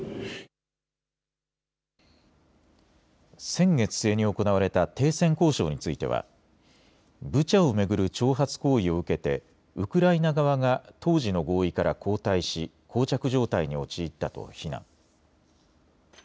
先月末に行われた停戦交渉についてはブチャを巡る挑発行為を受けてウクライナ側が当時の合意から後退しこう着状態に陥ったと非難。